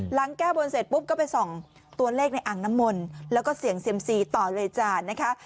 แก้บนเสร็จปุ๊บก็ไปส่องตัวเลขในอ่างน้ำมนต์แล้วก็เสี่ยงเซียมซีต่อเลยจานนะคะ